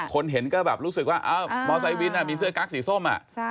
เห็นก็แบบรู้สึกว่ามอเซวินมีเสื้อกั๊กสีส้ม